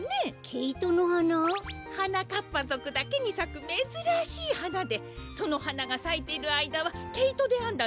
ケイトのはな？はなかっぱぞくだけにさくめずらしいはなでそのはながさいているあいだはけいとであんだ